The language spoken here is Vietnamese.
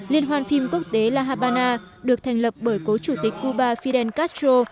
liên hoan phim quốc tế la habana được thành lập bởi cố chủ tịch cuba fidel castro